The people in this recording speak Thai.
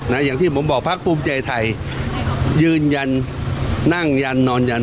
อย่างที่ผมบอกพักภูมิใจไทยยืนยันนั่งยันนอนยัน